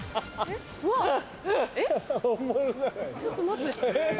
ちょっと待って。